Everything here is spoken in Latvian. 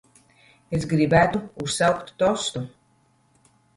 Es gribētu uzsaukt tostu.